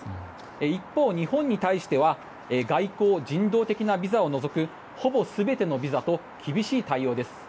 一方、日本に対しては外交・人道的なビザを除く厳しい対応です。